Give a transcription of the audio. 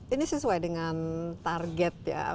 ini sesuai dengan target ya